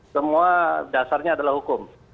semua dasarnya adalah hukum